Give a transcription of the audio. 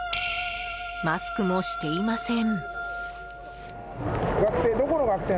マスクもしていません。